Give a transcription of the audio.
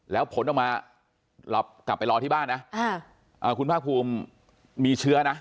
แล้วผลออกมากลับไปรอที่บ้านนะคุณภาคภูมิมีเชื้อนะ